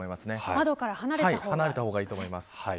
窓から離れた方がいいと思います。